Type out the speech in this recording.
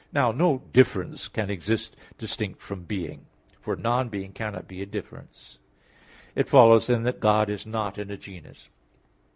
Now no difference can exist distinct from being; for non being cannot be a difference. It follows then that God is not in a genus.